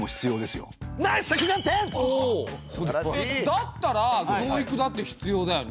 だったら教育だって必要だよね。